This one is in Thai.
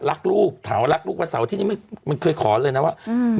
รักลูกถามว่ารักลูกวันเสาร์ที่นี่ไม่มันเคยขอเลยนะว่าอืม